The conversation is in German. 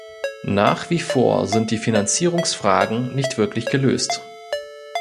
Nach wie vor sind die Finanzierungsfragen nicht wirklich gelöst.